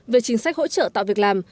về chính sách hỗ trợ tạo việc làm